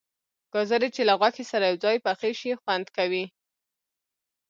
گازرې چې له غوښې سره یو ځای پخې شي خوند کوي.